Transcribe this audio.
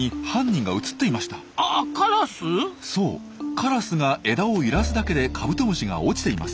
カラスが枝を揺らすだけでカブトムシが落ちています。